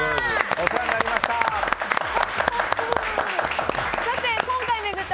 お世話になりました。